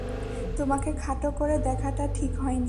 তোমাকে খাটো করে দেখাটা ঠিক হয়নি।